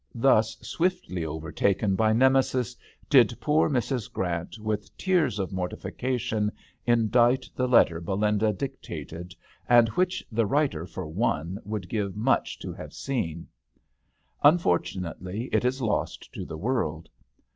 Thus swiftly overtaken by Ne mesis did poor Mrs. Grant, with tears of mortification, indite the letter Belinda dictated, and which the writer, for one, would give much to have seen. Unfortu nately it is lost to the world.